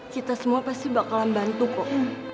kita semua pasti bakalan bantu kok